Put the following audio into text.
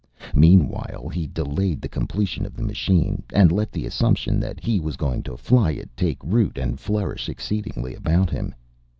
Meanwhile he delayed the completion of the machine, and let the assumption that he was going to fly it take root and flourish exceedingly about him.